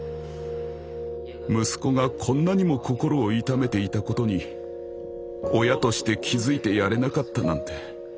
息子がこんなにも心を痛めていたことに親として気付いてやれなかったなんて。